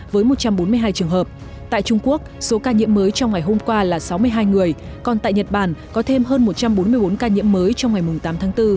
với một trăm bốn mươi hai trường hợp tại trung quốc số ca nhiễm mới trong ngày hôm qua là sáu mươi hai người còn tại nhật bản có thêm hơn một trăm bốn mươi bốn ca nhiễm mới trong ngày tám tháng bốn